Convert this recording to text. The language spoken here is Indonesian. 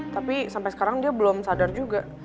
tapi sampai sekarang dia belum sadar juga